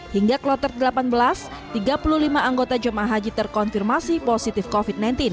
hingga kloter delapan belas tiga puluh lima anggota jemaah haji terkonfirmasi positif covid sembilan belas